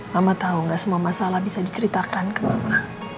mama tahu nggak semua masalah bisa diceritakan ke mama